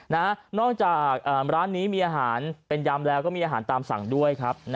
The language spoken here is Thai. นอกจากร้านนี้มีอาหารเป็นยำแล้วก็มีอาหารตามสั่งด้วยครับ